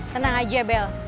tenang aja bel